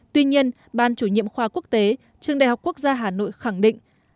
tuy nhiên ban chủ nhiệm khoa quốc tế trường đại học quốc gia hà nội khẳng định